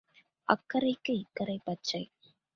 அக்கரைக்கு இக்கரை பச்சை.